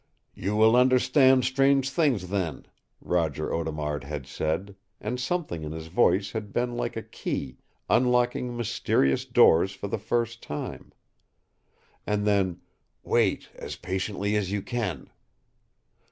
"You will understand strange things then," Roger Audemard had said, and something in his voice had been like a key unlocking mysterious doors for the first time. And then, "Wait, as patiently as you can!"